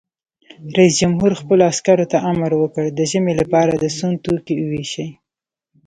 رئیس جمهور خپلو عسکرو ته امر وکړ؛ د ژمي لپاره د سون توکي وویشئ!